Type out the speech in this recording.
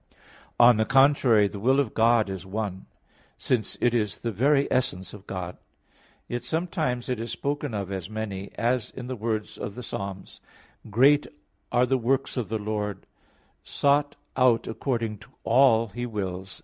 On the contrary, The will of God is one, since it is the very essence of God. Yet sometimes it is spoken of as many, as in the words of Ps. 110:2: "Great are the works of the Lord, sought out according to all His wills."